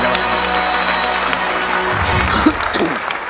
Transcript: เพลงนี้สี่หมื่นบาทค่ะอินโทรเพลงที่สาม